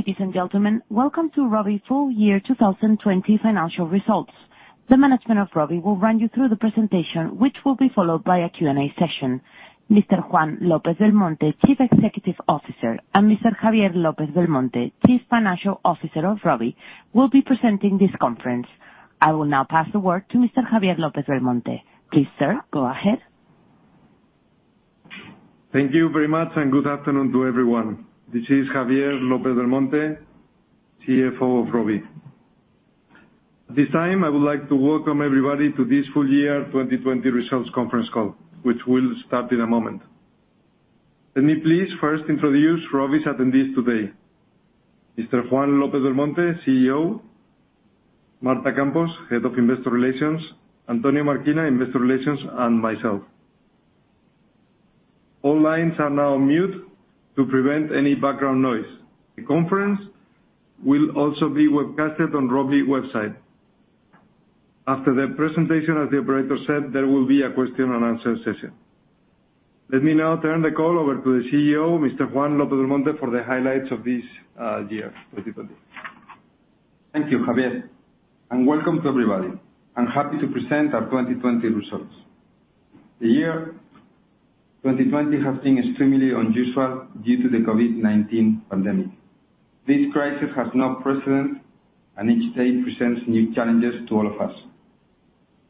Ladies and gentlemen, welcome to Rovi's Full Year 2020 Financial Results. The management of Rovi will run you through the presentation, which will be followed by a Q&A session. Mr. Juan López- Belmonte, Chief Executive Officer, and Mr. Javier López-Belmonte, Chief Financial Officer of Rovi, will be presenting this conference. I will now pass the word to Mr. Javier López-Belmonte. Please, sir, go ahead. Thank you very much, and good afternoon to everyone. This is Javier López-Belmonte, CFO of Rovi. At this time, I would like to welcome everybody to this full year 2020 results conference call, which will start in a moment. Let me please first introduce Rovi's attendees today. Mr. Juan López-Belmonte, CEO, Marta Campos, Head of Investor Relations, Antonio Marquina, Investor Relations, and myself. All lines are now on mute to prevent any background noise. The conference will also be webcasted on Rovi website. After the presentation, as the operator said, there will be a question and answer session. Let me now turn the call over to the CEO, Mr. Juan López-Belmonte, for the highlights of this year, 2020. Thank you, Javier, and welcome to everybody. I'm happy to present our 2020 results. The year 2020 has been extremely unusual due to the COVID-19 pandemic. This crisis has no precedent. Each day presents new challenges to all of us.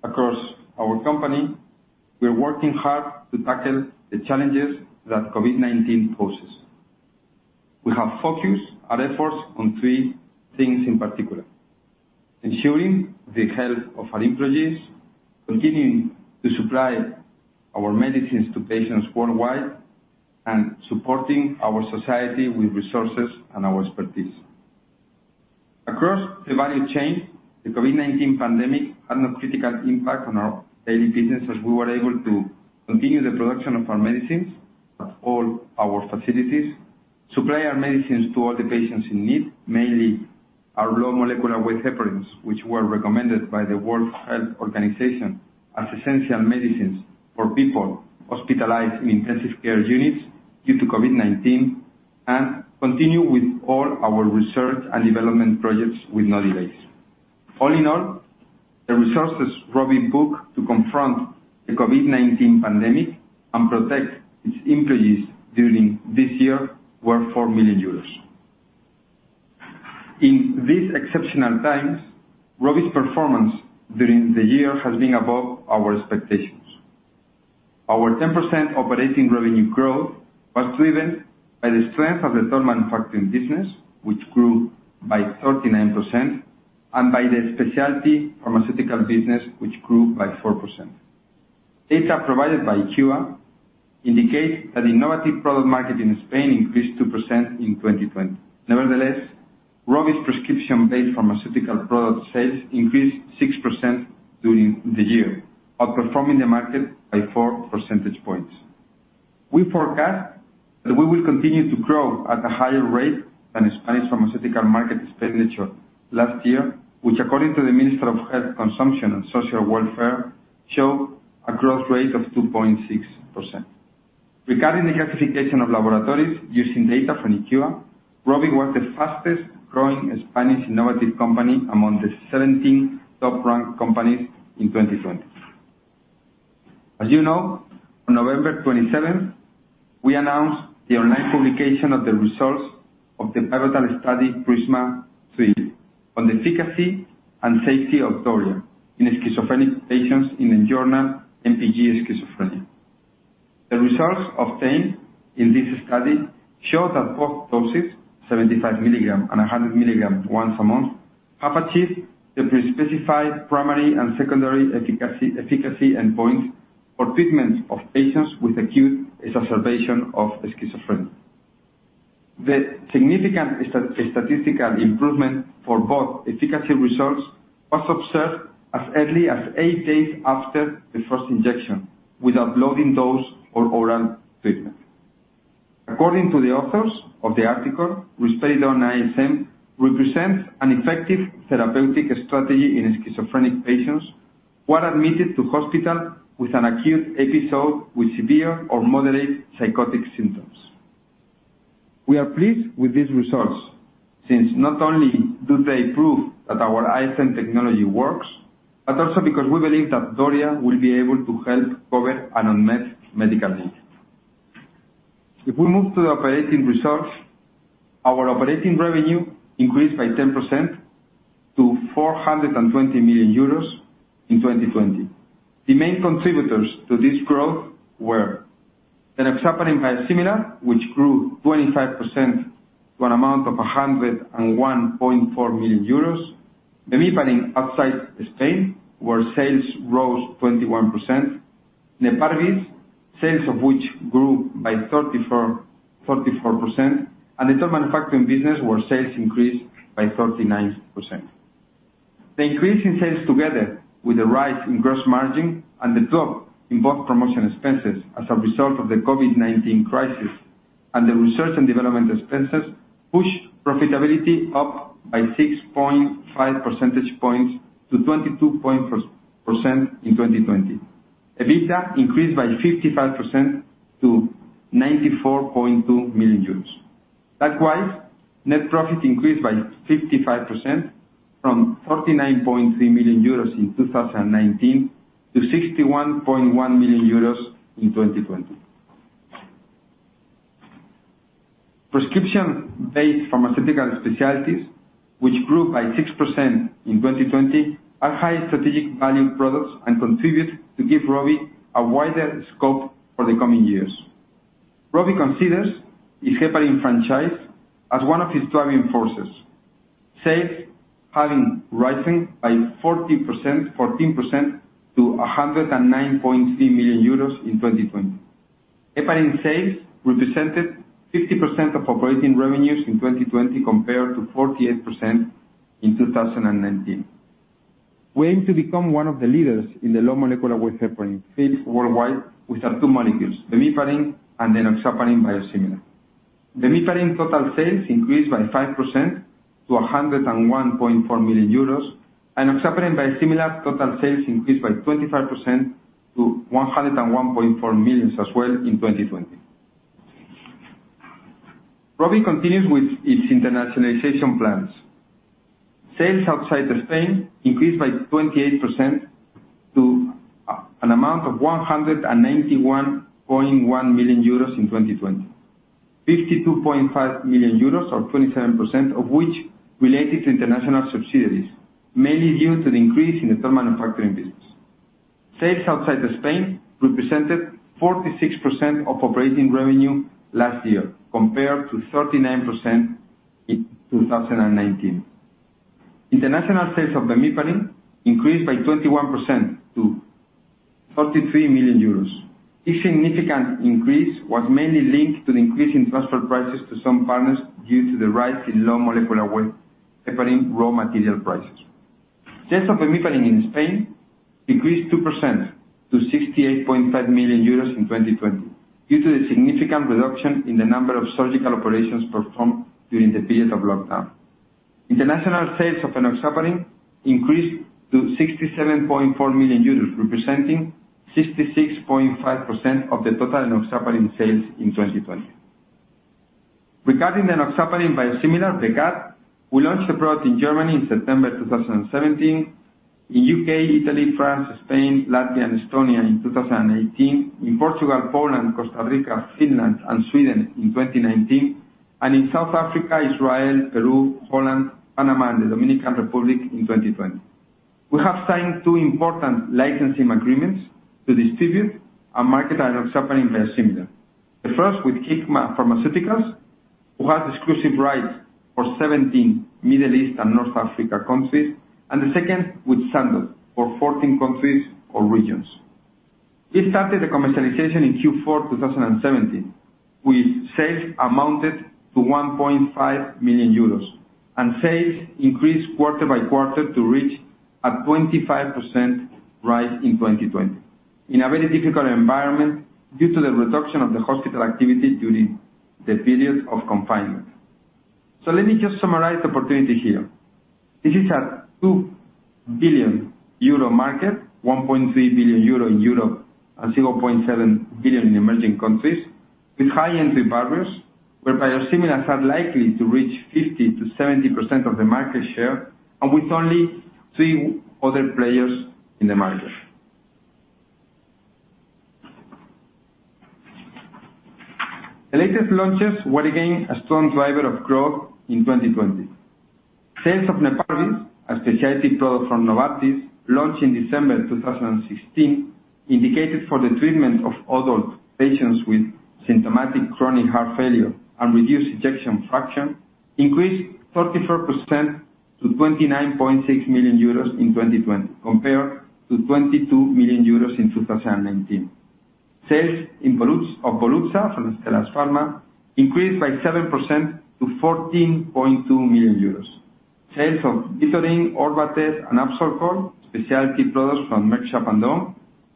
Across our company, we are working hard to tackle the challenges that COVID-19 poses. We have focused our efforts on three things in particular, ensuring the health of our employees, continuing to supply our medicines to patients worldwide, and supporting our society with resources and our expertise. Across the value chain, the COVID-19 pandemic had no critical impact on our daily business, as we were able to continue the production of our medicines at all our facilities, supply our medicines to all the patients in need, mainly our low molecular weight heparins, which were recommended by the World Health Organization as essential medicines for people hospitalized in intensive care units due to COVID-19, and continue with all our research and development projects with no delays. All in all, the resources Rovi took to confront the COVID-19 pandemic and protect its employees during this year were 4 million euros. In these exceptional times, Rovi's performance during the year has been above our expectations. Our 10% operating revenue growth was driven by the strength of the toll manufacturing business, which grew by 39%, and by the specialty pharmaceutical business, which grew by 4%. Data provided by IQVIA indicate that innovative product market in Spain increased 2% in 2020. Nevertheless, Rovi's prescription-based pharmaceutical product sales increased 6% during the year, outperforming the market by four percentage points. We forecast that we will continue to grow at a higher rate than Spanish pharmaceutical market expenditure last year, which, according to the Ministry of Health, Consumption and Social Welfare, show a growth rate of 2.6%. Regarding the classification of laboratories using data from IQVIA, Rovi was the fastest-growing Spanish innovative company among the 17 top-ranked companies in 2020. As you know, on November 27th, we announced the online publication of the results of the pivotal study PRISMA-3 on the efficacy and safety of Doria in schizophrenic patients in the journal, npj Schizophrenia. The results obtained in this study show that both doses, 75 mg and 100 mg once a month, have achieved the pre-specified primary and secondary efficacy endpoints for treatment of patients with acute exacerbation of schizophrenia. The significant statistical improvement for both efficacy results was observed as early as eight days after the first injection without loading dose or oral treatment. According to the authors of the article, it represents an effective therapeutic strategy in schizophrenic patients who are admitted to hospital with an acute episode with severe or moderate psychotic symptoms. We are pleased with these results, since not only do they prove that our ISM technology works, but also because we believe that Doria will be able to help cover an unmet medical need. If we move to the operating results, our operating revenue increased by 10% to 420 million euros in 2020. The main contributors to this growth were the enoxaparin biosimilar, which grew 25% to an amount of 101.4 million euros. bemiparin outside Spain, where sales rose 21%. Neparvis, sales of which grew by 34%, and the toll manufacturing business, where sales increased by 39%. The increase in sales together with the rise in gross margin and the drop in both promotion expenses as a result of the COVID-19 crisis and the research and development expenses pushed profitability up by 6.5 percentage points to 22% in 2020. EBITDA increased by 55% to 94.2 million euros. Net profit increased by 55% from 49.3 million euros in 2019 to 61.1 million euros in 2020. Prescription-based pharmaceutical specialties, which grew by 6% in 2020, are high strategic value products and contribute to give Rovi a wider scope for the coming years. Rovi considers its heparin franchise as one of its driving forces. Sales having risen by 14% to €109.3 million in 2020. Heparin sales represented 50% of operating revenues in 2020 compared to 48% in 2019. We aim to become one of the leaders in the low molecular weight heparin field worldwide with our two molecules, Bemiparin and Enoxaparin biosimilar. Bemiparin total sales increased by 5% to €101.4 million and Enoxaparin biosimilar total sales increased by 25% to €101.4 million as well in 2020. Rovi continues with its internationalization plans. Sales outside of Spain increased by 28% to an amount of €191.1 million in 2020. €52.5 million or 27% of which related to international subsidiaries, mainly due to the increase in the toll manufacturing business. Sales outside of Spain represented 46% of operating revenue last year compared to 39% in 2019. International sales of Bemiparin increased by 21% to €33 million. This significant increase was mainly linked to the increase in transfer prices to some partners due to the rise in low molecular weight heparin raw material prices. Sales of Bemiparin in Spain decreased 2% to 68.5 million euros in 2020 due to the significant reduction in the number of surgical operations performed during the period of lockdown. International sales of enoxaparin increased to 67.4 million euros, representing 66.5% of the total enoxaparin sales in 2020. Regarding the enoxaparin biosimilar, Becat, we launched the product in Germany in September 2017, in U.K., Italy, France, Spain, Latvia, and Estonia in 2018, in Portugal, Poland, Costa Rica, Finland, and Sweden in 2019, and in South Africa, Israel, Peru, Poland, Panama, and the Dominican Republic in 2020. We have signed two important licensing agreements to distribute and market enoxaparin biosimilar. The first with Hikma Pharmaceuticals, who has exclusive rights for 17 Middle East and North Africa countries, and the second with Sandoz for 14 countries or regions. We started the commercialization in Q4 2017, with sales amounted to 1.5 million euros and sales increased quarter by quarter to reach a 25% rise in 2020 in a very difficult environment due to the reduction of the hospital activity during the period of confinement. Let me just summarize the opportunity here. This is a 2 billion euro market, 1.3 billion euro in Europe and 0.7 billion in emerging countries with high entry barriers where biosimilars are likely to reach 50%-70% of the market share and with only three other players in the market. The latest launches were again a strong driver of growth in 2020. Sales of Neparvis, a specialty product from Novartis launched in December 2016, indicated for the treatment of adult patients with symptomatic chronic heart failure and reduced ejection fraction increased 34% to 29.6 million euros in 2020 compared to 22 million euros in 2019. Sales of Volutsa from Astellas Pharma increased by 7% to 14.2 million euros. Sales of Ezetrol, Orvatez, and Absorcol, specialty products from Merck Sharp & Dohme,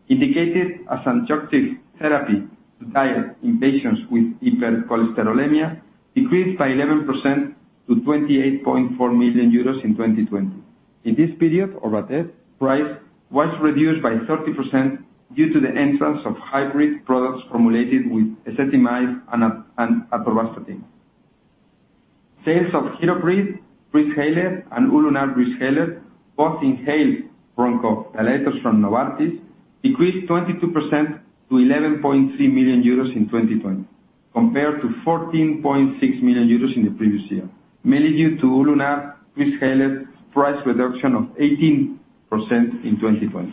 indicated as adjunctive therapy to diet in patients with hypercholesterolemia decreased by 11% to 28.4 million euros in 2020. In this period, Orvatez price was reduced by 30% due to the entrance of hybrid products formulated with ezetimibe and atorvastatin. Sales of Hirobriz Breezhaler and Ulunar Breezhaler, both inhaled bronchodilators from Novartis, decreased 22% to 11.3 million euros in 2020 compared to 14.6 million euros in the previous year, mainly due to Ulunar Breezhaler price reduction of 18% in 2020.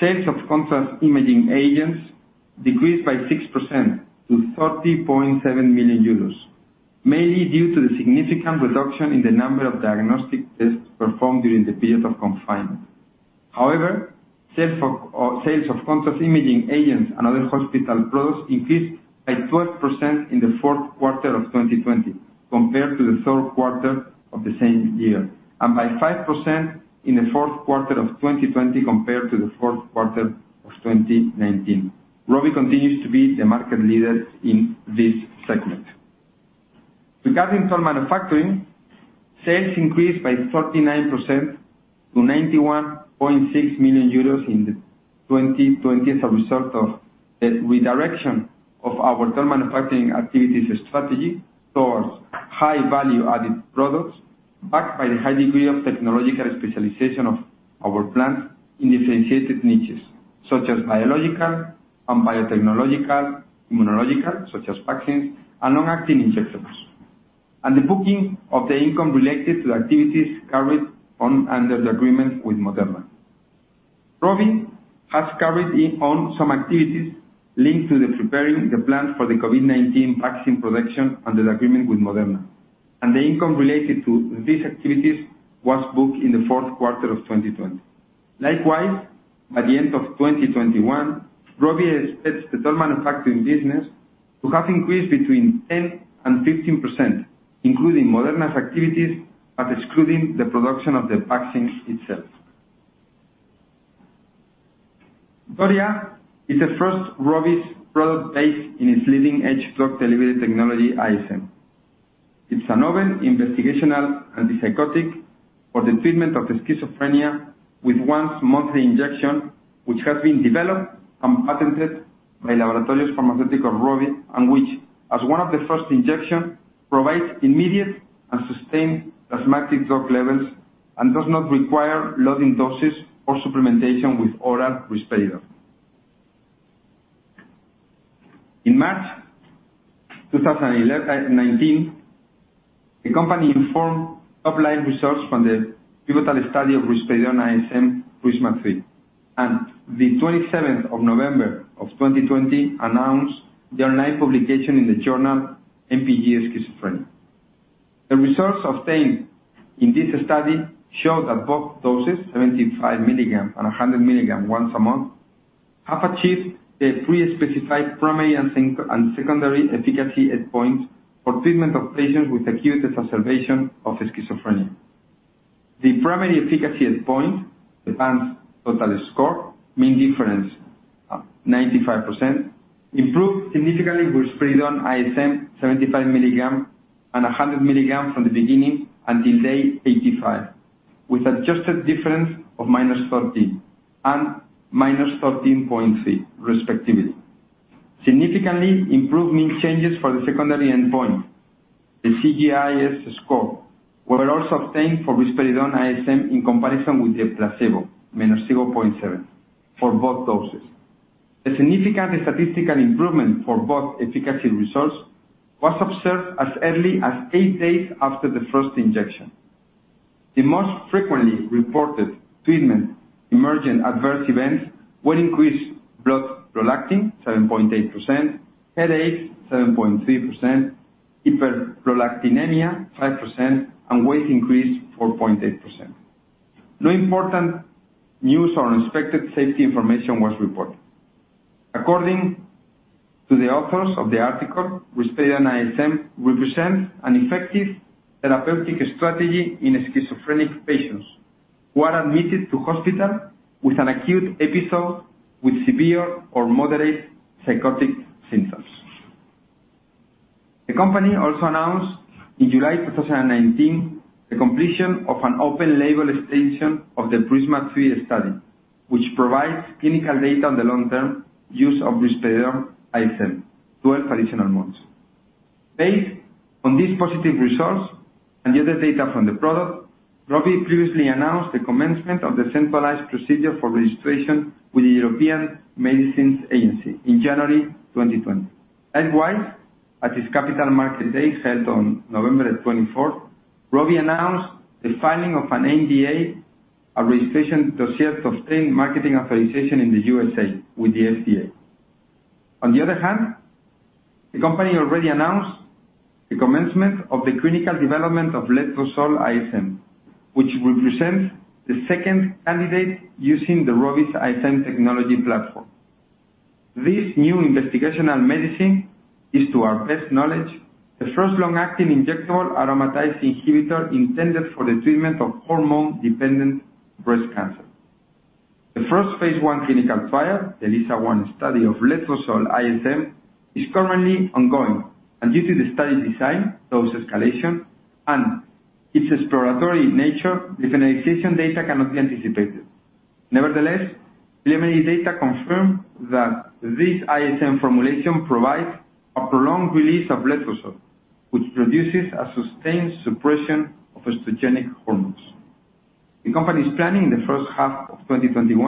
Sales of contrast imaging agents decreased by 6% to 30.7 million euros, mainly due to the significant reduction in the number of diagnostic tests performed during the period of confinement. Sales of contrast imaging agents and other hospital products increased by 12% in the fourth quarter of 2020 compared to the third quarter of the same year and by 5% in the fourth quarter of 2020 compared to the fourth quarter of 2019. Rovi continues to be the market leader in this segment. Regarding drug manufacturing, sales increased by 39% to 91.6 million euros in 2020 as a result of the redirection of our drug manufacturing activities strategy towards high value-added products, backed by the high degree of technological specialization of our plants in differentiated niches, such as biological and biotechnological, immunological, such as vaccines, and long-acting injectables, and the booking of the income related to the activities carried on under the agreement with Moderna. Rovi has carried on some activities linked to the preparing the plant for the COVID-19 vaccine production under the agreement with Moderna, and the income related to these activities was booked in the fourth quarter of 2020. Likewise, by the end of 2021, Rovi expects the drug manufacturing business to have increased between 10% and 15%, including Moderna's activities, but excluding the production of the vaccines itself. Risperidone ISM is the first Rovi's product based in its leading-edge drug delivery technology, ISM. It's a novel investigational antipsychotic for the treatment of schizophrenia with once-monthly injection, which has been developed and patented by Laboratorios Farmacéuticos ROVI and which, as one of the first injection, provides immediate and sustained plasmatic drug levels and does not require loading doses or supplementation with oral risperidone. In March 2019, the company informed top-line results from the pivotal study of Risperidone ISM, PRISMA-3, and the 27th of November of 2020, announced their new publication in the journal, "npj Schizophrenia." The results obtained in this study showed that both doses, 75 mg and 100 mg once a month, have achieved the pre-specified primary and secondary efficacy endpoint for treatment of patients with acute exacerbation of schizophrenia. The primary efficacy endpoint, the PANSS total score, mean difference, 95%, improved significantly with Risperidone ISM, 75 mg and 100 mg from the beginning until day 85, with adjusted difference of -13 and -13.3 respectively. Significantly improved mean changes for the secondary endpoint. The CGI-S score were also obtained for Risperidone ISM in comparison with the placebo, -0.7 for both doses. A significant statistical improvement for both efficacy results was observed as early as eight days after the first injection. The most frequently reported treatment emergent adverse events were increased blood prolactin, 7.8%, headaches, 7.3%, hyperprolactinemia, 5%, and weight increase, 4.8%. No important news or unexpected safety information was reported. According to the authors of the article, Risperidone ISM represents an effective therapeutic strategy in schizophrenic patients who are admitted to hospital with an acute episode with severe or moderate psychotic symptoms. The company also announced in July 2019, the completion of an open-label extension of the PRISMA-3 study, which provides clinical data on the long-term use of Risperidone ISM®, 12 additional months. Based on these positive results and the other data from the product, Rovi previously announced the commencement of the centralized procedure for registration with the European Medicines Agency in January 2020. Likewise, at its Capital Markets Day held on November 24th, Rovi announced the filing of an NDA, a registration dossier to obtain marketing authorization in the USA with the FDA. On the other hand, the company already announced the commencement of the clinical development of Letrozole ISM®, which represents the second candidate using the Rovi's ISM technology platform. This new investigational medicine is, to our best knowledge, the first long-acting injectable aromatase inhibitor intended for the treatment of hormone-dependent breast cancer. The first phase I clinical trial, the LISA-1 study of Letrozole ISM®, is currently ongoing and due to the study design, dose escalation, and its exploratory nature, the finalization data cannot be anticipated. Nevertheless, preliminary data confirm that this ISM formulation provides a prolonged release of letrozole, which produces a sustained suppression of estrogenic hormones. The company is planning in the first half of 2021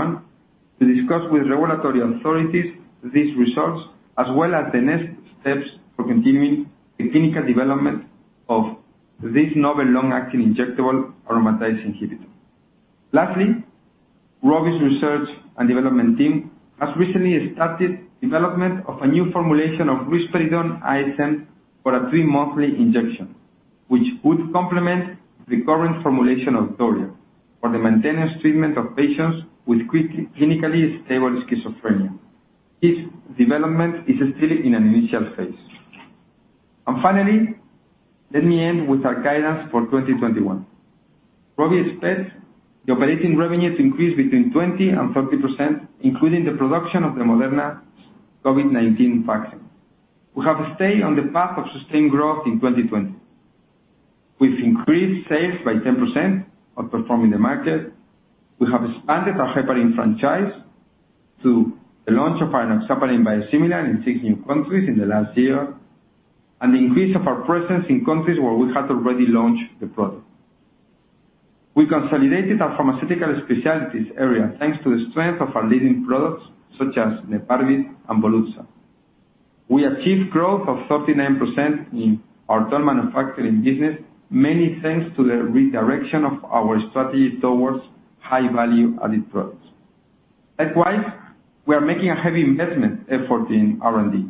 to discuss with regulatory authorities these results, as well as the next steps for continuing the clinical development of this novel long-acting injectable aromatase inhibitor. Lastly, Rovi's research and development team has recently started development of a new formulation of Risperidone ISM® for a three-monthly injection, which would complement the current formulation of Doria for the maintenance treatment of patients with clinically stable schizophrenia. This development is still in an initial phase. Finally, let me end with our guidance for 2021. Rovi expects the operating revenue to increase between 20%-30%, including the production of the Moderna COVID-19 vaccine. We have stayed on the path of sustained growth in 2020. We've increased sales by 10%, outperforming the market. We have expanded our heparin franchise to the launch of our enoxaparin biosimilar in six new countries in the last year, and the increase of our presence in countries where we had already launched the product. We consolidated our pharmaceutical specialties area, thanks to the strength of our leading products, such as Neparvis and Volutsa. We achieved growth of 39% in our toll manufacturing business, many thanks to the redirection of our strategy towards high value-added products. Likewise, we are making a heavy investment effort in R&D,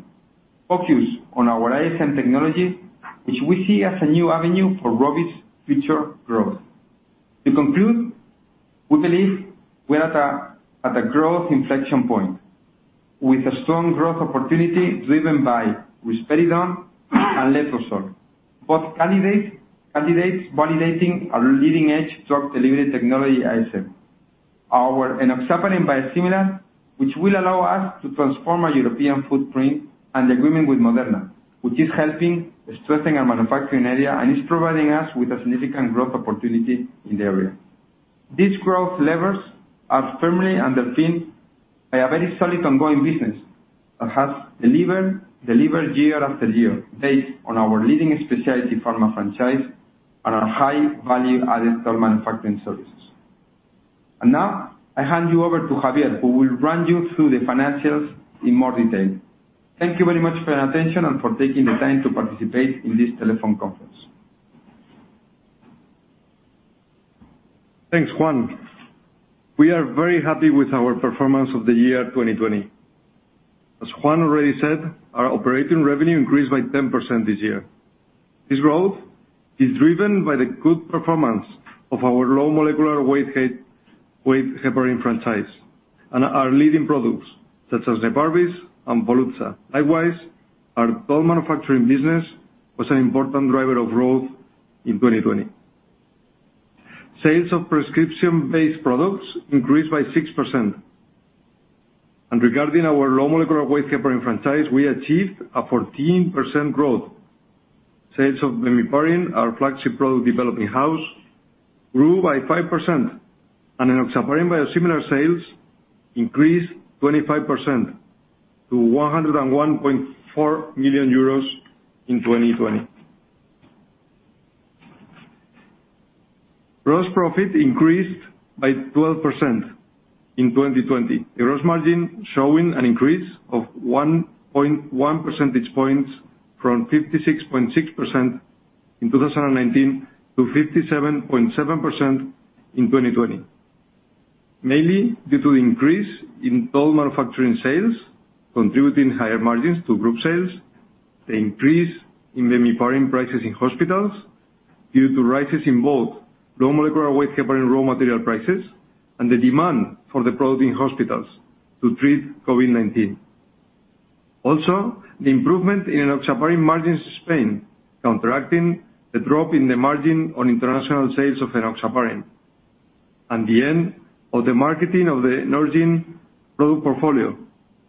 focused on our ISM technology, which we see as a new avenue for Rovi's future growth. To conclude, we believe we are at a growth inflection point, with a strong growth opportunity driven by risperidone and Letrozole ISM®, both candidates validating our leading-edge drug delivery technology, ISM. Our enoxaparin biosimilar, which will allow us to transform our European footprint, and the agreement with Moderna, which is helping strengthening our manufacturing area and is providing us with a significant growth opportunity in the area. These growth levers are firmly underpinned by a very solid ongoing business that has delivered year after year based on our leading specialty pharma franchise and our high value-added toll manufacturing services. Now, I hand you over to Javier, who will run you through the financials in more detail. Thank you very much for your attention and for taking the time to participate in this telephone conference. Thanks, Juan. We are very happy with our performance of the year 2020. As Juan already said, our operating revenue increased by 10% this year. This growth is driven by the good performance of our low molecular weight heparin franchise and our leading products, such as Neparvis and Volutsa. Likewise, our toll manufacturing business was an important driver of growth in 2020. Sales of prescription-based products increased by 6%. Regarding our low molecular weight heparin franchise, we achieved a 14% growth. Sales of bemiparin, our flagship product developed in-house, grew by 5%, and enoxaparin biosimilar sales increased 25% to 101.4 million euros in 2020. Gross profit increased by 12% in 2020. The gross margin showing an increase of 1.1 percentage points from 56.6% in 2019 to 57.7% in 2020, mainly due to the increase in toll manufacturing sales contributing higher margins to group sales, the increase in bemiparin prices in hospitals due to rises in both low molecular weight heparin raw material prices and the demand for the product in hospitals to treat COVID-19. Also, the improvement in enoxaparin margins in Spain, counteracting the drop in the margin on international sales of enoxaparin, and the end of the marketing of the Norgine product portfolio,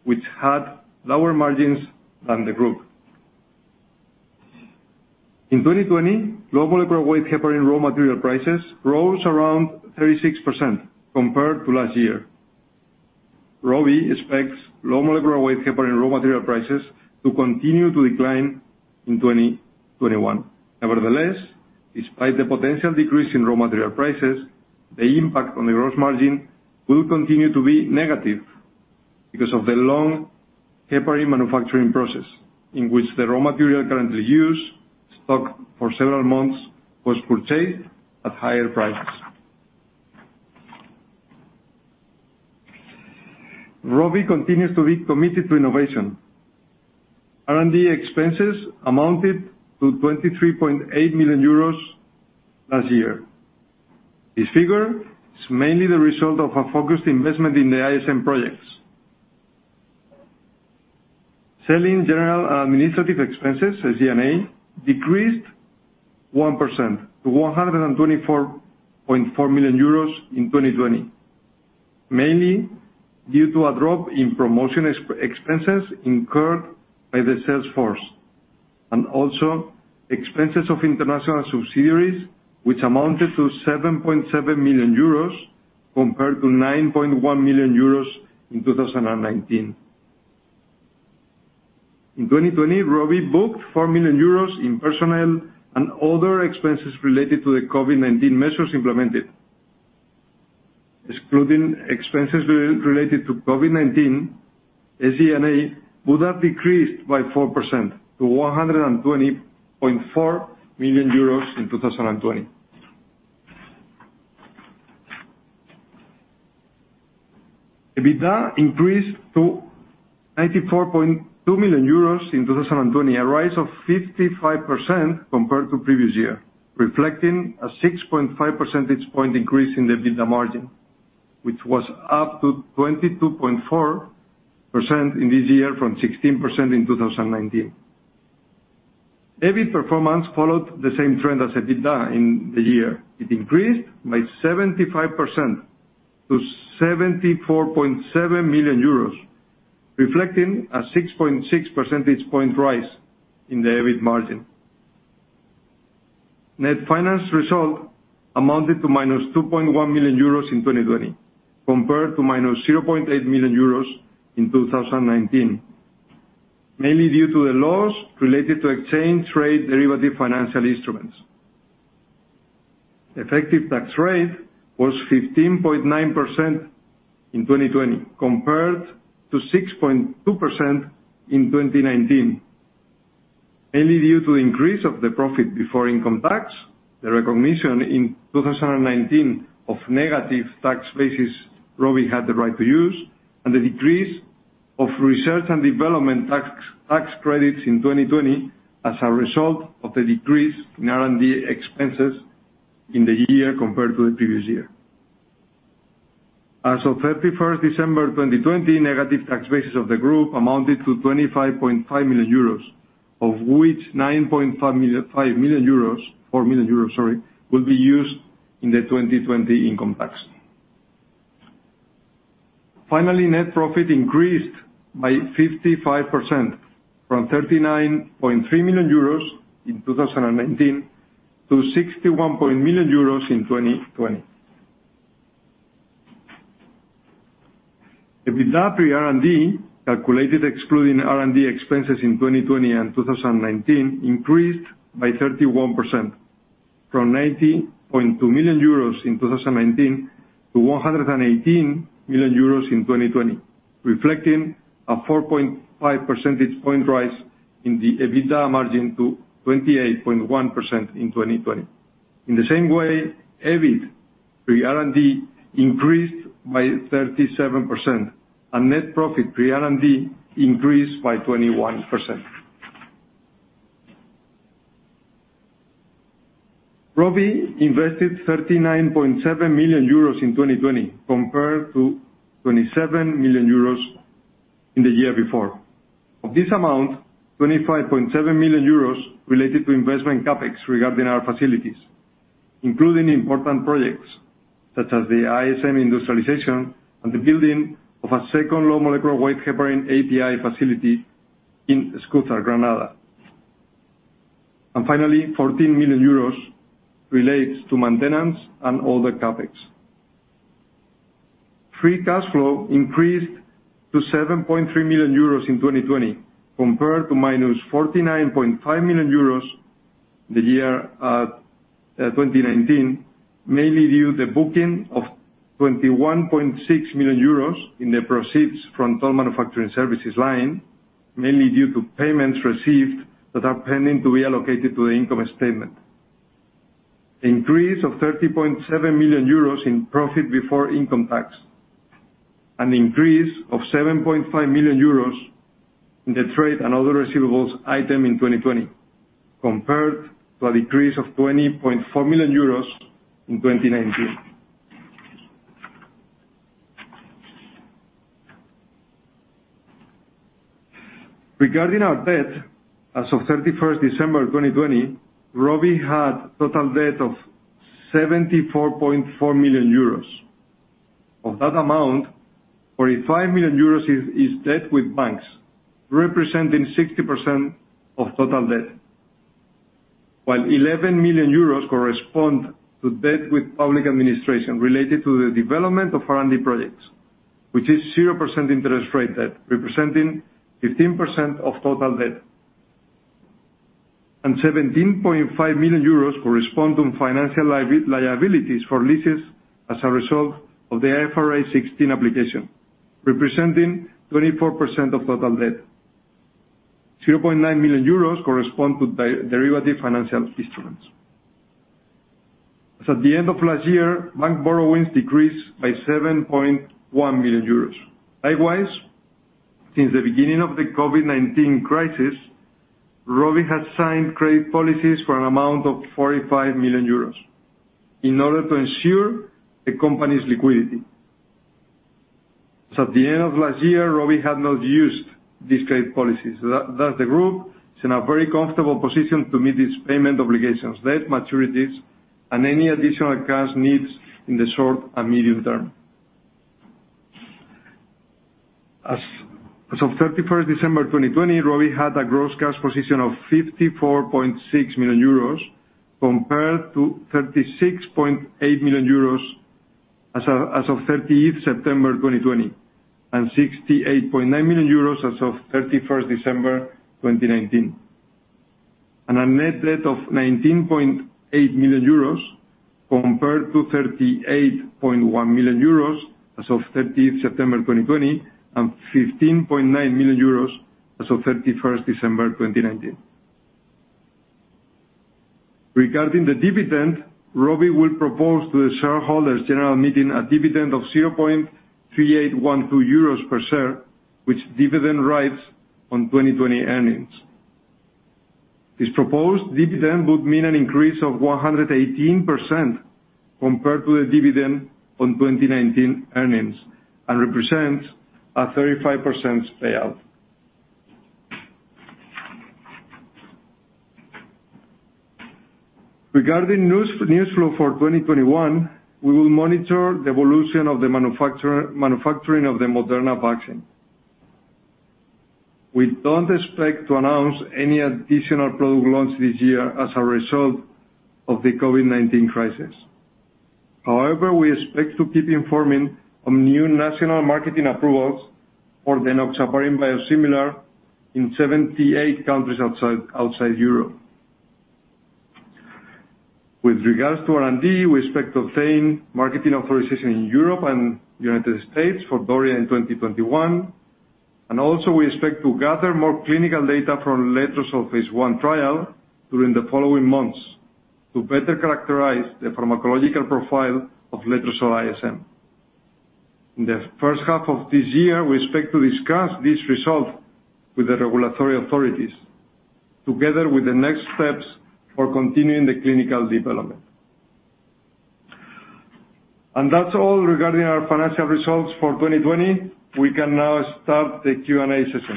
which had lower margins than the group. In 2020, low molecular weight heparin raw material prices rose around 36% compared to last year. Rovi expects low molecular weight heparin raw material prices to continue to decline in 2021. Nevertheless, despite the potential decrease in raw material prices, the impact on the gross margin will continue to be negative because of the long heparin manufacturing process, in which the raw material currently used, stocked for several months, was purchased at higher prices. Rovi continues to be committed to innovation. R&D expenses amounted to 23.8 million euros last year. This figure is mainly the result of a focused investment in the ISM projects. Selling, general, and administrative expenses, SG&A, decreased 1% to 124.4 million euros in 2020, mainly due to a drop in promotion expenses incurred by the sales force, and also expenses of international subsidiaries, which amounted to 7.7 million euros compared to 9.1 million euros in 2019. In 2020, Rovi booked 4 million euros in personnel and other expenses related to the COVID-19 measures implemented. Excluding expenses related to COVID-19, SG&A would have decreased by 4% to 120.4 million euros in 2020. EBITDA increased to 94.2 million euros in 2020, a rise of 55% compared to previous year, reflecting a 6.5 percentage point increase in the EBITDA margin, which was up to 22.4% in this year from 16% in 2019. EBIT performance followed the same trend as EBITDA in the year. It increased by 75% to 74.7 million euros, reflecting a 6.6 percentage point rise in the EBIT margin. Net finance result amounted to minus 2.1 million euros in 2020 compared to minus 0.8 million euros in 2019, mainly due to the loss related to exchange rate derivative financial instruments. Effective tax rate was 15.9% in 2020 compared to 6.2% in 2019, mainly due to the increase of the profit before income tax, the recognition in 2019 of negative tax bases Rovi had the right to use, and the decrease of research and development tax credits in 2020 as a result of the decrease in R&D expenses in the year compared to the previous year. As of 31st December 2020, negative tax bases of the group amounted to 25.5 million euros, of which 9.5 million, 4 million euros, sorry, will be used in the 2020 income tax. Net profit increased by 55% from 39.3 million euros in 2019 to 61 million euros in 2020. EBITDA pre-R&D, calculated excluding R&D expenses in 2020 and 2019, increased by 31% from 90.2 million euros in 2019 to 118 million euros in 2020, reflecting a 4.5 percentage point rise in the EBITDA margin to 28.1% in 2020. In the same way, EBIT pre-R&D increased by 37%, and net profit pre-R&D increased by 21%. Rovi invested 39.7 million euros in 2020 compared to 27 million euros in the year before. Of this amount, 25.7 million euros related to investment CapEx regarding our facilities, including important projects such as the ISM industrialization and the building of a second low molecular weight heparin API facility in Escúzar, Granada. Finally, 14 million euros relates to maintenance and all the CapEx. Free cash flow increased to 7.3 million euros in 2020 compared to minus 49.5 million euros the year, 2019, mainly due the booking of 21.6 million euros in the proceeds from toll manufacturing services line, mainly due to payments received that are pending to be allocated to the income statement. The increase of 30.7 million euros in profit before income tax and the increase of 7.5 million euros in the trade and other receivables item in 2020 compared to a decrease of 20.4 million euros in 2019. Regarding our debt, as of 31st December 2020, Rovi had total debt of 74.4 million euros. Of that amount, 45 million euros is debt with banks, representing 60% of total debt, while 11 million euros correspond to debt with public administration related to the development of R&D projects, which is 0% interest rate debt, representing 15% of total debt. 17.5 million euros correspond to financial liabilities for leases as a result of the IFRS 16 application, representing 24% of total debt. 0.9 million euros correspond to derivative financial instruments. At the end of last year, bank borrowings decreased by 7.1 million euros. Likewise, since the beginning of the COVID-19 crisis, Rovi has signed credit policies for an amount of 45 million euros in order to ensure the company's liquidity. At the end of last year, Rovi had not used these credit policies. Thus, the group is in a very comfortable position to meet its payment obligations, debt maturities, and any additional cash needs in the short and medium term. As of 31st December 2020, Rovi had a gross cash position of 54.6 million euros compared to 36.8 million euros as of 30th September 2020 and 68.9 million euros as of 31st December 2019. A net debt of 19.8 million euros compared to 38.1 million euros as of 30th September 2020 and 15.9 million euros as of 31st December 2019. Regarding the dividend, Rovi will propose to the shareholders general meeting a dividend of 0.3812 euros per share, which dividend rights on 2020 earnings. This proposed dividend would mean an increase of 118% compared to the dividend on 2019 earnings and represents a 35% payout. Regarding newsflow for 2021, we will monitor the evolution of the manufacturing of the Moderna vaccine. We don't expect to announce any additional product launch this year as a result of the COVID-19 crisis. However, we expect to keep informing on new national marketing approvals for the enoxaparin biosimilar in 78 countries outside Europe. With regards to R&D, we expect to obtain marketing authorization in Europe and U.S. for Okedi in 2021. Also we expect to gather more clinical data from letrozole phase I trial during the following months to better characterize the pharmacological profile of Letrozole ISM. In the first half of this year, we expect to discuss this result with the regulatory authorities, together with the next steps for continuing the clinical development. That's all regarding our financial results for 2020. We can now start the Q&A session.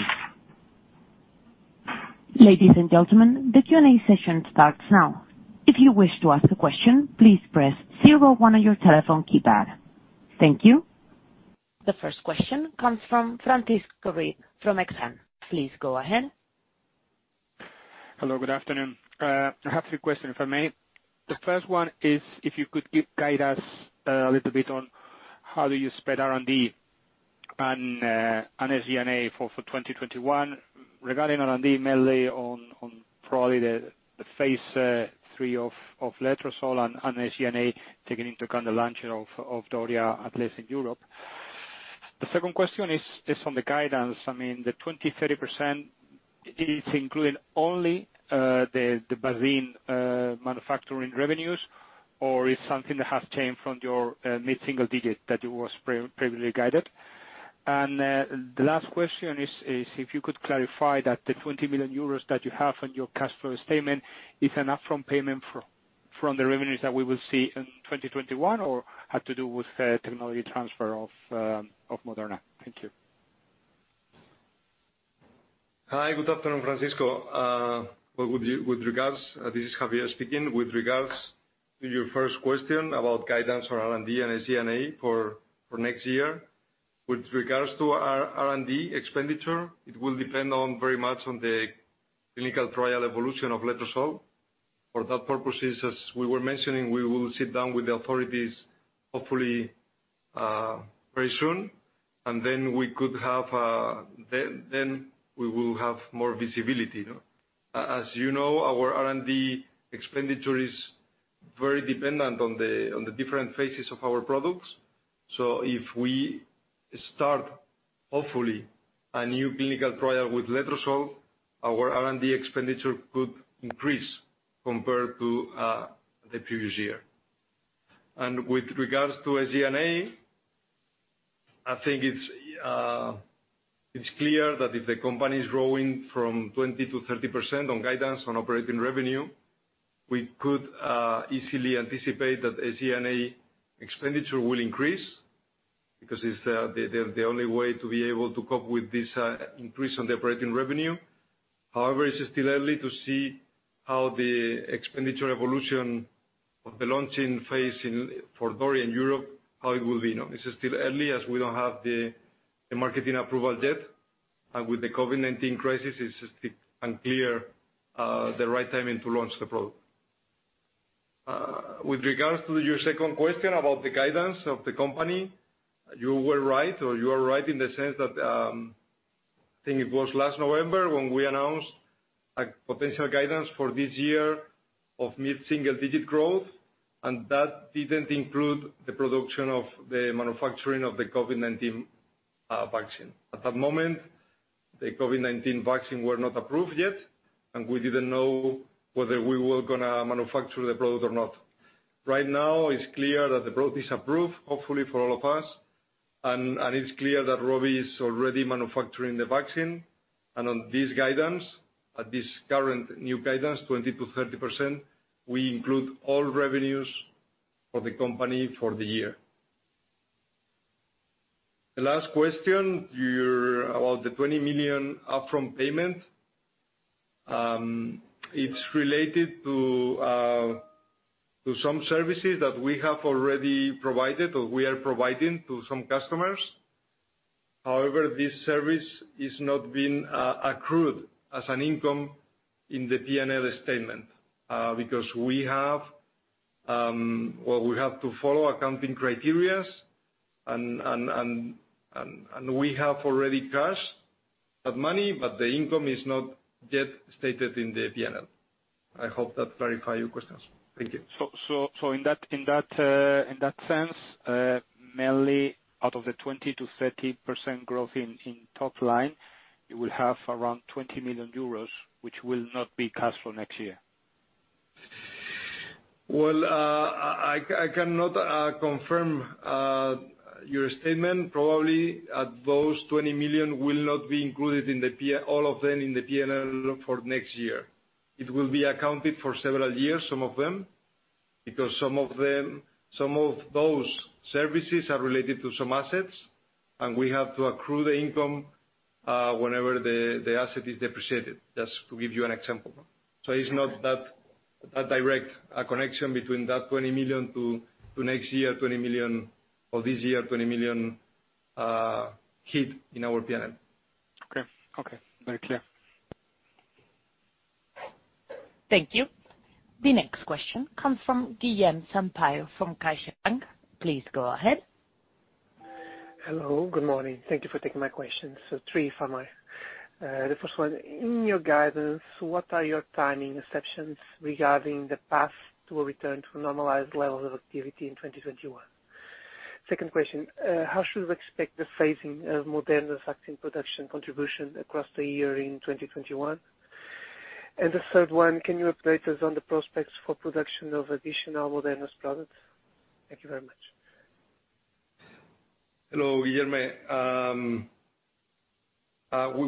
Ladies and gentlemen, the Q&A session starts now. If you wish to ask a question, please press 01 on your telephone keypad. Thank you. The first question comes from Francisco Ruiz from Exane. Please go ahead. Hello, good afternoon. I have three questions, if I may. The first one is, if you could guide us a little bit on how you spread R&D and SG&A for 2021. Regarding R&D, mainly on probably the phase III of Letrozole and SG&A, taking into account the launch of Okedi, at least in Europe. The second question is just on the guidance. I mean, the 20%-30%, it includes only the vaccine manufacturing revenues or is something that has changed from your mid-single digits that you were previously guided. The last question is if you could clarify that the 20 million euros that you have on your cash flow statement is an upfront payment from the revenues that we will see in 2021 or had to do with technology transfer of Moderna. Thank you. Hi, good afternoon, Francisco. This is Javier speaking. With regards to your first question about guidance for R&D and SG&A for next year. With regards to our R&D expenditure, it will depend very much on the clinical trial evolution of letrozole. For that purposes, as we were mentioning, we will sit down with the authorities hopefully very soon, and then we will have more visibility. As you know, our R&D expenditure is very dependent on the different phases of our products. If we start, hopefully, a new clinical trial with letrozole, our R&D expenditure could increase compared to the previous year. With regards to SG&A, I think it's clear that if the company is growing from 20%-30% on guidance on operating revenue, we could easily anticipate that SG&A expenditure will increase because it's the only way to be able to cope with this increase on the operating revenue. However, it's still early to see how the expenditure evolution of the launching phase for Okedi in Europe, how it will be known. It's still early as we don't have the marketing approval yet. With the COVID-19 crisis, it's still unclear the right timing to launch the product. With regards to your second question about the guidance of the company, you were right, or you are right in the sense that, I think it was last November when we announced a potential guidance for this year of mid-single digit growth. That didn't include the production of the manufacturing of the COVID-19 vaccine. At that moment, the COVID-19 vaccine were not approved yet, we didn't know whether we were going to manufacture the product or not. Right now, it's clear that the product is approved, hopefully for all of us. It's clear that Rovi is already manufacturing the vaccine. On this current new guidance, 20%-30%, we include all revenues for the company for the year. The last question about the 20 million upfront payment, it's related to some services that we have already provided or we are providing to some customers. However, this service is not being accrued as an income in the P&L statement, because we have to follow accounting criteria, and we have already cashed that money, but the income is not yet stated in the P&L. I hope that clarify your questions. Thank you. In that sense, mainly out of the 20%-30% growth in top line, you will have around 20 million euros, which will not be cash flow next year. Well, I cannot confirm your statement, probably those 20 million will not be included, all of them, in the P&L for next year. It will be accounted for several years, some of them, because some of those services are related to some assets, and we have to accrue the income whenever the asset is depreciated. Just to give you an example. It's not that direct a connection between that 20 million to next year, 20 million, or this year, 20 million hit in our P&L. Okay. Very clear. Thank you. The next question comes from Guilherme Sampaio from CaixaBank. Please go ahead. Hello, good morning. Thank you for taking my questions. Three for me. The first one, in your guidance, what are your timing assumptions regarding the path to a return to normalized levels of activity in 2021? Second question, how should we expect the phasing of Moderna's vaccine production contribution across the year in 2021? The third one, can you update us on the prospects for production of additional Moderna's products? Thank you very much. Hello, Guilherme.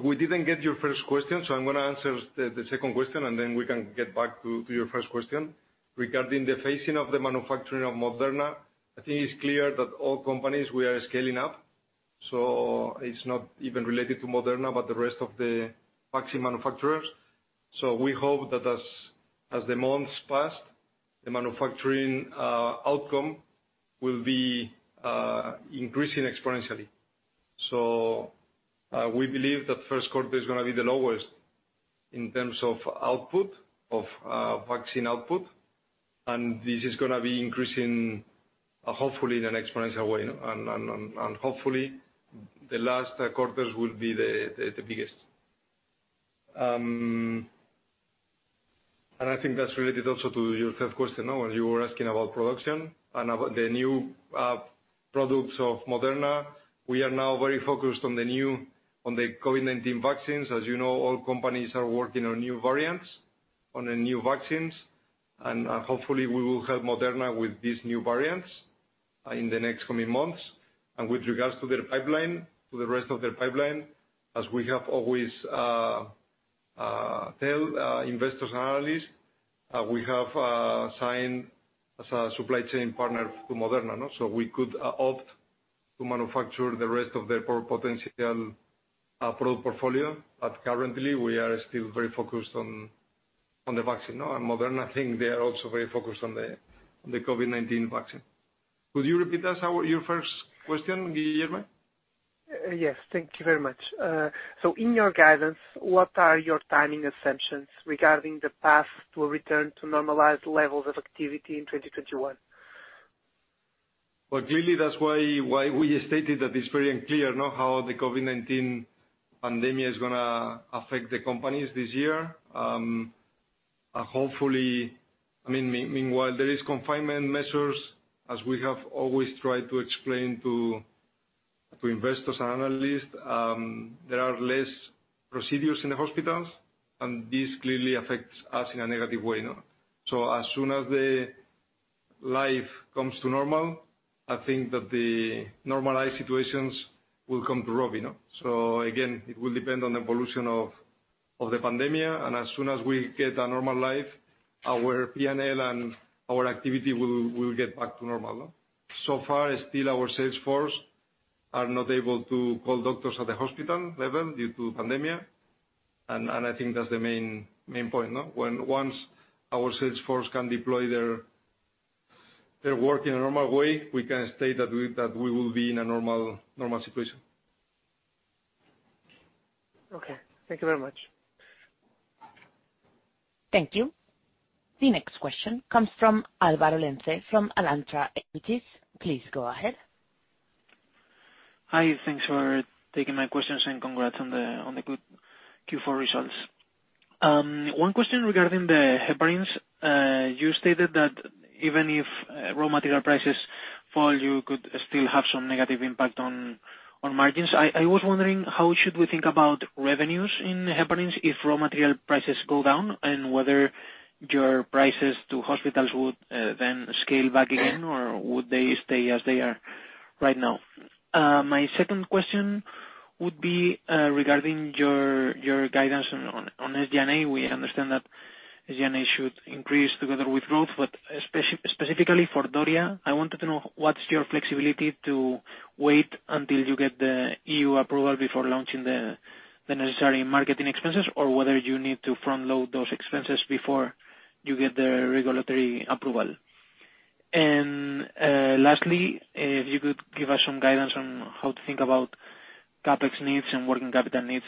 We didn't get your first question. I am going to answer the second question, and then we can get back to your first question. Regarding the phasing of the manufacturing of Moderna, I think it is clear that all companies, we are scaling up. It is not even related to Moderna, but the rest of the vaccine manufacturers. We hope that as the months pass, the manufacturing outcome will be increasing exponentially. We believe that first quarter is going to be the lowest in terms of vaccine output. This is going to be increasing, hopefully in an exponential way. Hopefully, the last quarters will be the biggest. I think that is related also to your third question when you were asking about production and about the new products of Moderna. We are now very focused on the COVID-19 vaccines. You know, all companies are working on new variants, on the new vaccines, hopefully we will help Moderna with these new variants in the next coming months. With regards to the rest of their pipeline, as we have always tell investors and analysts, we have signed as a supply chain partner to Moderna. We could opt to manufacture the rest of their potential product portfolio, but currently we are still very focused on the vaccine. Moderna, I think they are also very focused on the COVID-19 vaccine. Could you repeat that, your first question, Guilherme? Yes. Thank you very much. In your guidance, what are your timing assumptions regarding the path to a return to normalized levels of activity in 2021? Well, clearly, that's why we stated that it's very unclear how the COVID-19 pandemic is going to affect the companies this year. Meanwhile, there is confinement measures, as we have always tried to explain to investors and analysts. This clearly affects us in a negative way. As soon as the life comes to normal, I think that the normalized situations will come to Rovi. Again, it will depend on the evolution of the pandemic, and as soon as we get a normal life, our P&L and our activity will get back to normal. So far, still our sales force are not able to call doctors at the hospital level due to pandemic. I think that's the main point. Once our sales force can deploy their work in a normal way, we can state that we will be in a normal situation. Okay. Thank you very much. Thank you. The next question comes from Álvaro Lenze from Alantra Equities. Please go ahead. Hi, thanks for taking my questions and congrats on the good Q4 results. One question regarding the heparins. You stated that even if raw material prices fall, you could still have some negative impact on margins. I was wondering, how should we think about revenues in heparins if raw material prices go down, and whether your prices to hospitals would then scale back again, or would they stay as they are right now? My second question would be regarding your guidance on SG&A. We understand that SG&A should increase together with growth, but specifically for Okedi, I wanted to know what's your flexibility to wait until you get the EU approval before launching the necessary marketing expenses, or whether you need to front-load those expenses before you get the regulatory approval. Lastly, if you could give us some guidance on how to think about CapEx needs and working capital needs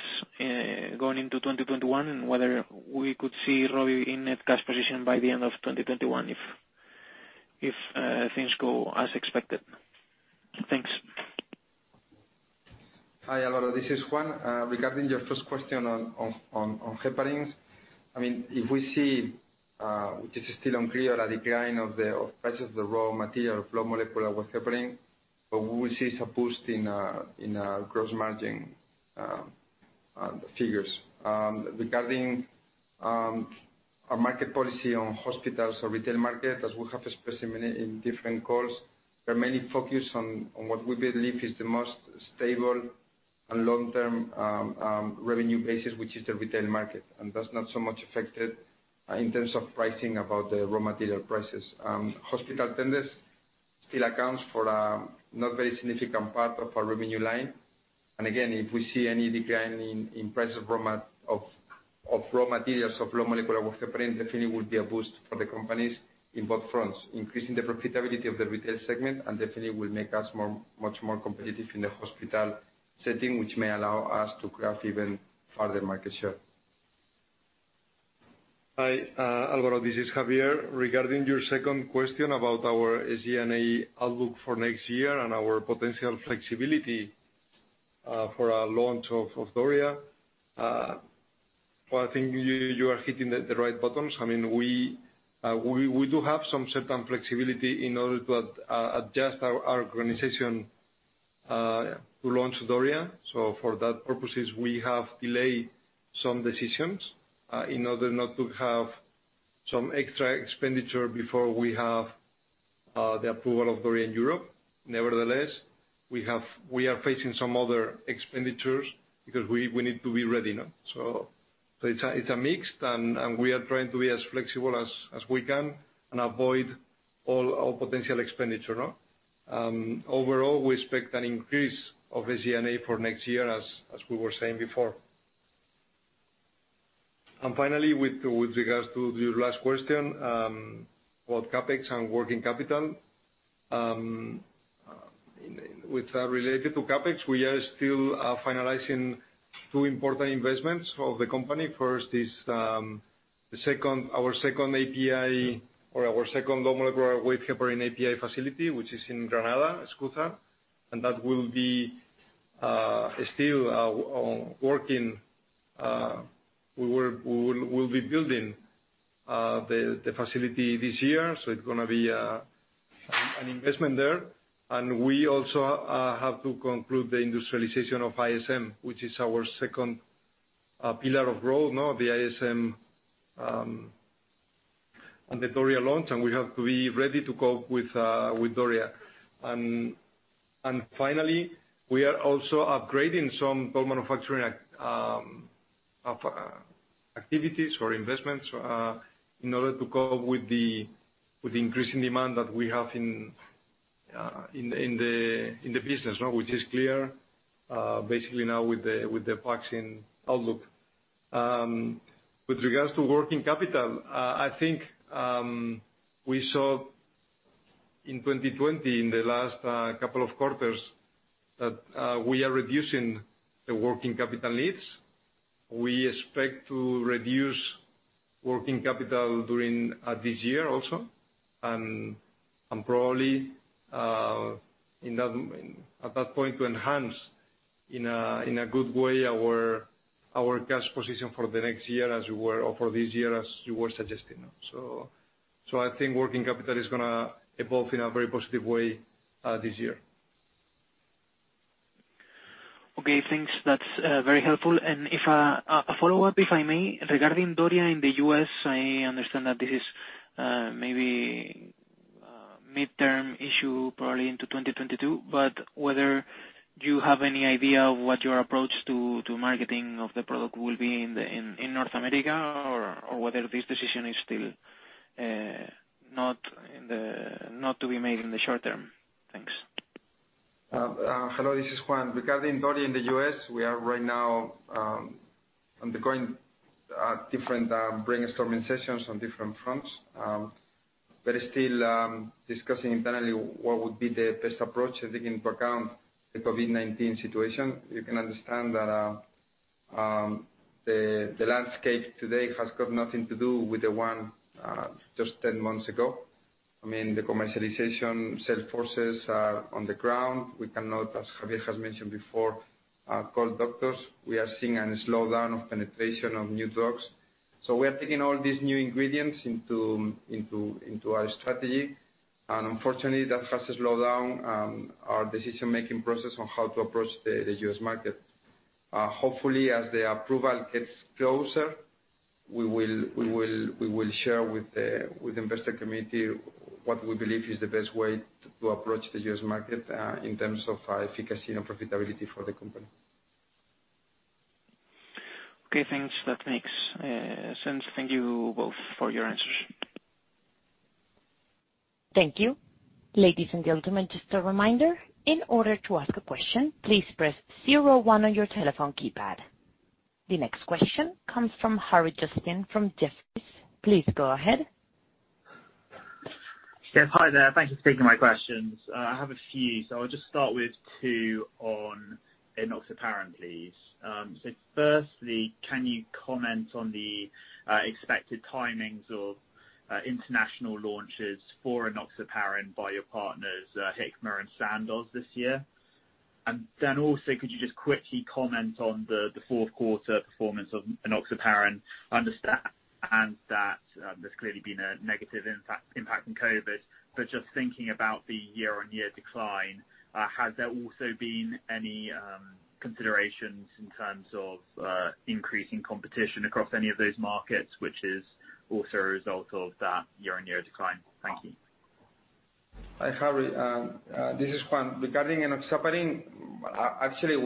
going into 2021, and whether we could see Rovi in net cash position by the end of 2021 if things go as expected. Thanks. Hi, Álvaro. This is Juan. Regarding your first question on heparins. If we see, which is still unclear, a decline of prices of the raw material, low molecular weight heparin, we will see it's a boost in our gross margin, figures. Regarding our market policy on hospitals or retail market, as we have specified in different calls, we're mainly focused on what we believe is the most stable and long-term revenue basis, which is the retail market. That's not so much affected in terms of pricing about the raw material prices. Hospital tenders still account for a not very significant part of our revenue line. Again, if we see any decline in price of raw materials, of low molecular weight heparin, definitely it will be a boost for the companies in both fronts, increasing the profitability of the retail segment, and definitely will make us much more competitive in the hospital setting, which may allow us to grab even further market share. Hi, Álvaro. This is Javier. Regarding your second question about our SG&A outlook for next year and our potential flexibility for our launch of Okedi. Well, I think you are hitting the right buttons. We do have some certain flexibility in order to adjust our organization to launch Okedi. For that purposes, we have delayed some decisions in order not to have some extra expenditure before we have the approval of Okedi in Europe. Nevertheless, we are facing some other expenditures because we need to be ready now. It's a mix, and we are trying to be as flexible as we can and avoid all our potential expenditure. Overall, we expect an increase of SG&A for next year, as we were saying before. Finally, with regards to your last question, about CapEx and working capital. With that related to CapEx, we are still finalizing two important investments for the company. First is our second low molecular weight heparin API facility, which is in Granada, Escúzar. That will be still working. We'll be building the facility this year, it's going to be an investment there. We also have to conclude the industrialization of ISM, which is our second pillar of growth now, the ISM and the Okedi launch, we have to be ready to go with Okedi. Finally, we are also upgrading some co-manufacturing activities for investments in order to cope with the increasing demand that we have in the business, which is clear basically now with the vaccine outlook. With regards to working capital, I think we saw in 2020, in the last couple of quarters, that we are reducing the working capital needs. We expect to reduce working capital during this year also, and probably at that point to enhance in a good way our cash position for the next year as you were, or for this year, as you were suggesting. I think working capital is going to evolve in a very positive way this year. Okay, thanks. That's very helpful. A follow-up, if I may, regarding Okedi in the U.S., I understand that this is maybe a midterm issue, probably into 2022, but whether you have any idea of what your approach to marketing of the product will be in North America, or whether this decision is still not to be made in the short term. Thanks. Hello, this is Juan. Regarding Okedi in the U.S., we are right now undergoing different brainstorming sessions on different fronts. Still discussing internally what would be the best approach, taking into account the COVID-19 situation. You can understand that the landscape today has got nothing to do with the one just 10 months ago. The commercialization, sales forces are on the ground. We cannot, as Javier has mentioned before, call doctors. We are seeing a slowdown of penetration of new drugs. We are taking all these new ingredients into our strategy. Unfortunately, that has slowed down our decision-making process on how to approach the U.S. market. Hopefully, as the approval gets closer, we will share with the investor community what we believe is the best way to approach the U.S. market, in terms of efficacy and profitability for the company. Okay, thanks. That makes sense. Thank you both for your answers. The next question comes from James Vane from Jefferies. Please go ahead. Yes, hi there. Thank you for taking my questions. I have a few. I'll just start with two on enoxaparin, please. Firstly, can you comment on the expected timings of international launches for enoxaparin by your partners, Hikma and Sandoz this year? Also, could you just quickly comment on the fourth quarter performance of enoxaparin? I understand that there's clearly been a negative impact from COVID. Just thinking about the year-on-year decline, has there also been any considerations in terms of increasing competition across any of those markets, which is also a result of that year-on-year decline? Thank you. Hi, James. This is Juan. Regarding enoxaparin, actually,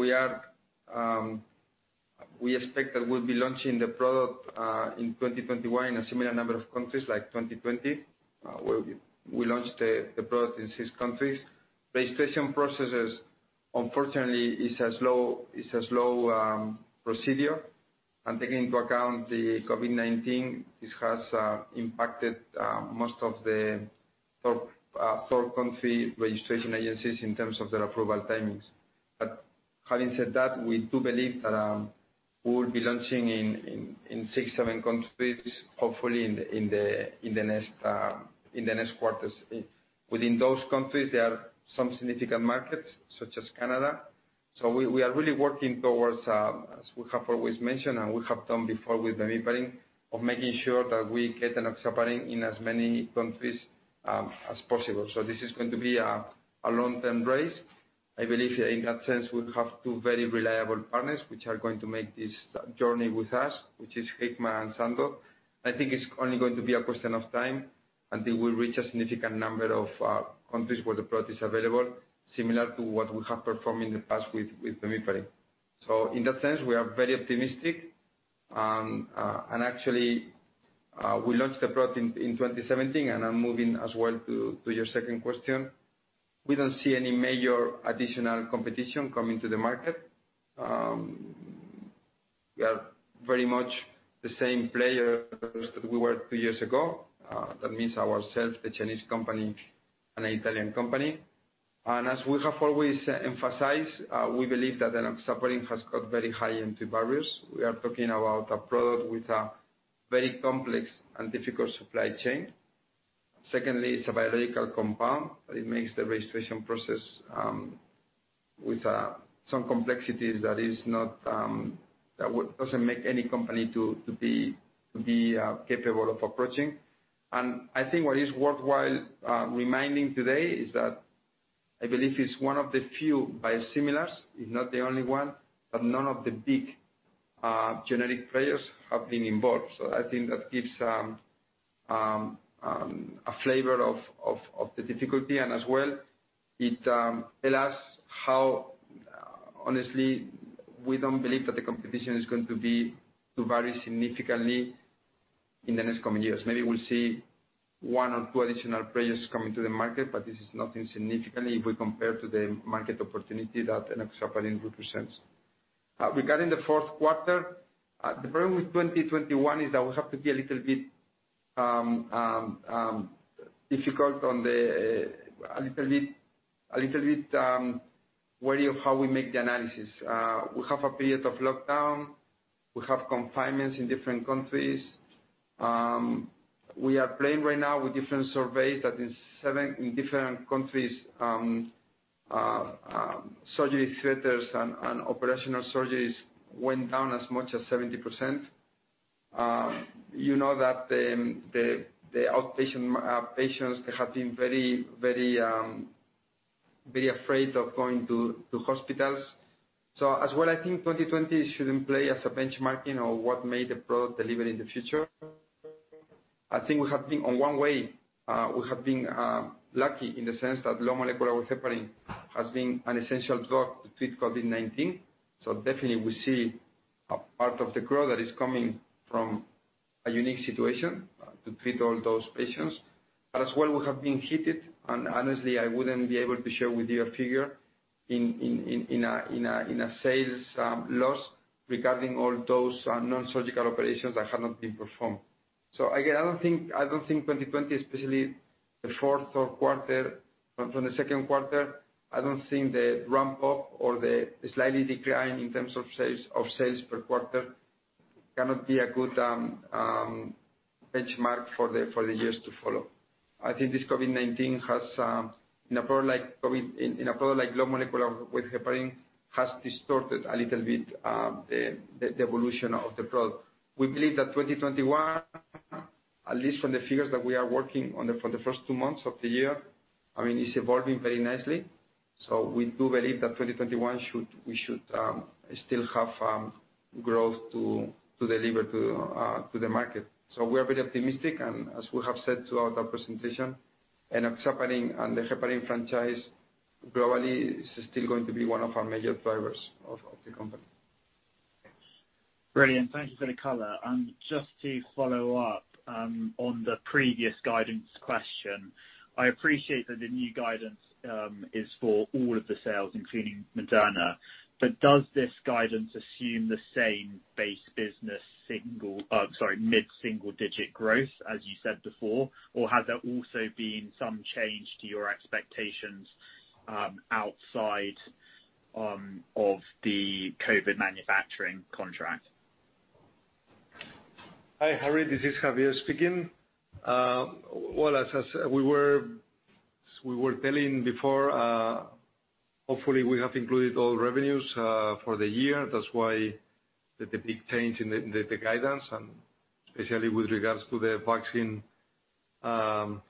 we expect that we'll be launching the product in 2021 in a similar number of countries like 2020, where we launched the product in six countries. Registration processes, unfortunately, it's a slow procedure. Taking into account the COVID-19, this has impacted most of the top four country registration agencies in terms of their approval timings. Having said that, we do believe that we will be launching in six, seven countries, hopefully in the next quarters. Within those countries, there are some significant markets such as Canada. We are really working towards, as we have always mentioned and we have done before with the, of making sure that we get enoxaparin in as many countries as possible. This is going to be a long-term race. I believe in that sense, we have two very reliable partners which are going to make this journey with us, which is Hikma and Sandoz. I think it's only going to be a question of time until we reach a significant number of countries where the product is available, similar to what we have performed in the past with. In that sense, we are very optimistic. Actually, we launched the product in 2017, and I'm moving as well to your second question. We don't see any major additional competition coming to the market. We are very much the same players that we were two years ago. That means ourselves, the Chinese company and the Italian company. As we have always emphasized, we believe that enoxaparin has got very high entry barriers. We are talking about a product with a very complex and difficult supply chain. Secondly, it's a biological compound. It makes the registration process with some complexities that doesn't make any company to be capable of approaching. I think what is worthwhile reminding today is that I believe it's one of the few biosimilars, it's not the only one, none of the big generic players have been involved. I think that gives a flavor of the difficulty and as well, it tell us how, honestly, we don't believe that the competition is going to vary significantly in the next coming years. Maybe we'll see one or two additional players coming to the market, this is nothing significant if we compare to the market opportunity that enoxaparin represents. Regarding the fourth quarter, the problem with 2021 is that we have to be a little bit wary of how we make the analysis. We have a period of lockdown. We have confinements in different countries. We are playing right now with different surveys that in seven different countries, surgery theaters and operational surgeries went down as much as 70%. You know that the outpatient patients have been very afraid of going to hospitals. As well, I think 2020 shouldn't play as a benchmarking of what may the product deliver in the future. I think we have been, on one way, we have been lucky in the sense that low molecular weight heparin has been an essential drug to treat COVID-19. Definitely we see a part of the growth that is coming from a unique situation to treat all those patients. As well, we have been hit, and honestly, I wouldn't be able to share with you a figure in a sales loss regarding all those non-surgical operations that have not been performed. Again, I don't think 2020, especially the fourth quarter from the second quarter, I don't think the ramp up or the slight decline in terms of sales per quarter, cannot be a good benchmark for the years to follow. I think this COVID-19 has, in a product like low molecular weight heparin, has distorted a little bit the evolution of the product. We believe that 2021, at least from the figures that we are working for the first two months of the year, it's evolving very nicely. We do believe that 2021 we should still have growth to deliver to the market. We are very optimistic, and as we have said throughout our presentation, enoxaparin and the heparin franchise globally is still going to be one of our major drivers of the company. Brilliant. Thank you for the color. Just to follow up on the previous guidance question. I appreciate that the new guidance is for all of the sales, including Moderna. Does this guidance assume the same base business single, sorry, mid-single digit growth as you said before? Has there also been some change to your expectations outside of the COVID manufacturing contract? Hi, James, this is Javier speaking. Well, as I said, we were. As we were telling before, hopefully we have included all revenues for the year. That's why the big change in the guidance, and especially with regards to the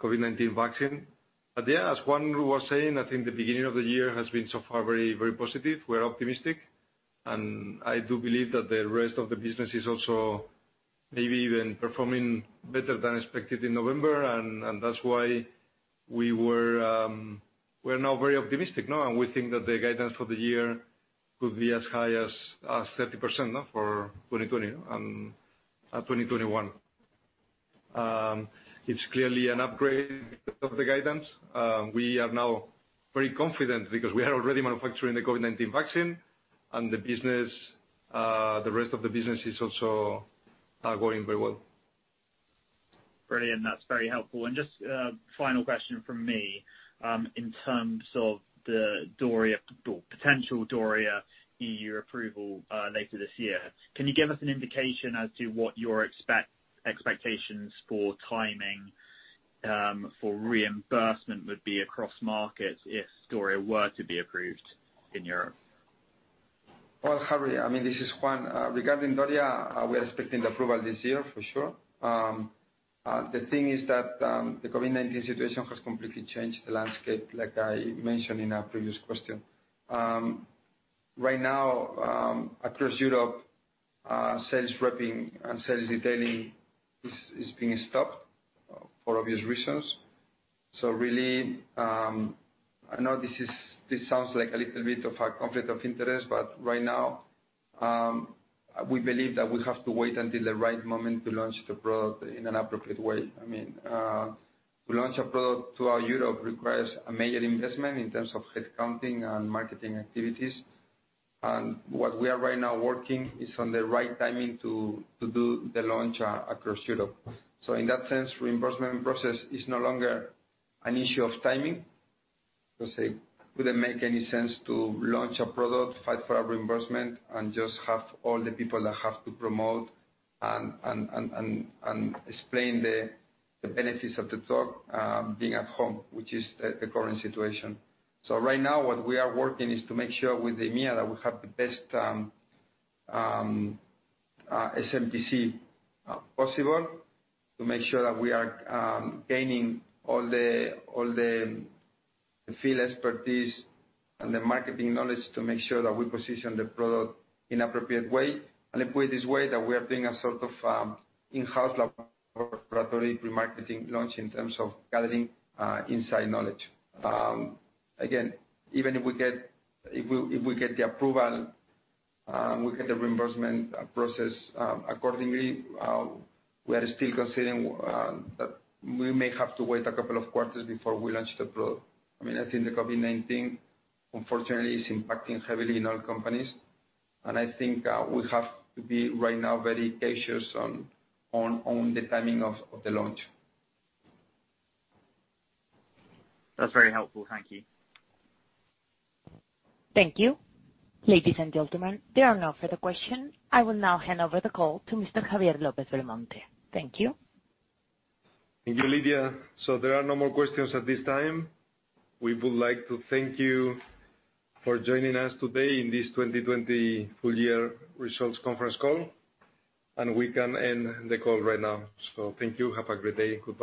COVID-19 vaccine. Yeah, as Juan was saying, I think the beginning of the year has been so far very positive. We're optimistic, and I do believe that the rest of the business is also maybe even performing better than expected in November. That's why we're now very optimistic now, and we think that the guidance for the year could be as high as 30% now for 2020 and 2021. It's clearly an upgrade of the guidance. We are now very confident because we are already manufacturing the COVID-19 vaccine and the rest of the business is also going very well. Brilliant. That's very helpful. Just a final question from me. In terms of the potential Okedi EU approval later this year, can you give us an indication as to what your expectations for timing for reimbursement would be across markets if Okedi were to be approved in Europe? Well, James, this is Juan. Regarding Okedi, we are expecting the approval this year for sure. The thing is that the COVID-19 situation has completely changed the landscape, like I mentioned in a previous question. Right now, across Europe, sales repping and sales detailing is being stopped for obvious reasons. Really, I know this sounds like a little bit of a conflict of interest, but right now, we believe that we have to wait until the right moment to launch the product in an appropriate way. To launch a product throughout Europe requires a major investment in terms of head counting and marketing activities. What we are right now working is on the right timing to do the launch across Europe. In that sense, reimbursement process is no longer an issue of timing. Let's say, would it make any sense to launch a product, fight for a reimbursement, and just have all the people that have to promote and explain the benefits of the drug being at home, which is the current situation. Right now what we are working is to make sure with the EMA that we have the best SmPC possible to make sure that we are gaining all the field expertise and the marketing knowledge to make sure that we position the product in appropriate way. If with this way, that we are doing a sort of in-house laboratory pre-marketing launch in terms of gathering inside knowledge. Again, even if we get the approval, we get the reimbursement process accordingly, we are still considering that we may have to wait a couple of quarters before we launch the product. I think the COVID-19, unfortunately, is impacting heavily in all companies. I think we have to be right now very cautious on the timing of the launch. That's very helpful. Thank you. Thank you. Ladies and gentlemen, there are no further questions. I will now hand over the call to Mr. Javier López-Belmonte. Thank you. Thank you, Lydia. There are no more questions at this time. We would like to thank you for joining us today in this 2020 Full year Results Conference Call, and we can end the call right now. Thank you. Have a great day. Goodbye.